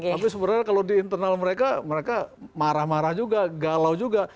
tapi sebenarnya kalau di internal mereka mereka marah marah juga galau juga